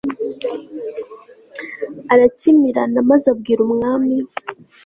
arakimirana maze abwira umwami